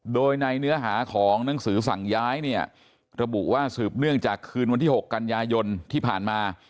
โดยในเนื้อหาของหนังสือสั่งย้ายเนี่ยระบุว่าสืบเนื่องจากคืนวันที่๖กันยายนที่ผ่านมา